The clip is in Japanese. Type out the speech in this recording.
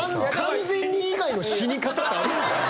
完全に以外の死に方ってあるんか。